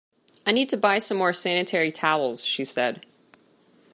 I need to buy some more sanitary towels, she said